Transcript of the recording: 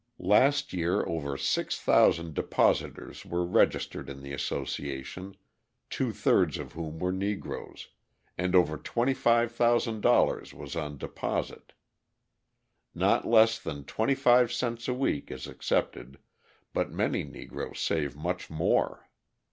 Last year over 6,000 depositors were registered in the association, two thirds of whom were Negroes, and over $25,000 was on deposit. Not less than twenty five cents a week is accepted, but many Negroes save much more.